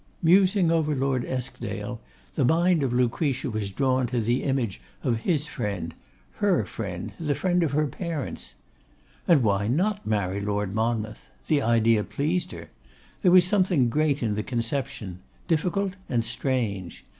Musing over Lord Eskdale, the mind of Lucretia was drawn to the image of his friend; her friend; the friend of her parents. And why not marry Lord Monmouth? The idea pleased her. There was something great in the conception; difficult and strange.